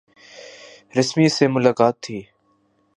رسمی سی ملاقات تھی۔